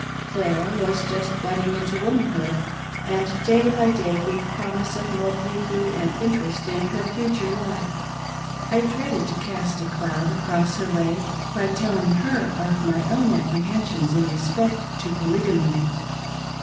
Clara was just budding into wotaianhood and day by day gave promise of more beauty and ■interest in her future life. I dreaded to cast a cloud across her way by telling her of my own apprehensions in respect to Polygamy.